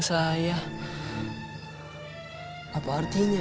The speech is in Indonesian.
tidak mungkin kita